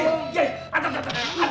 mau lari kemana ya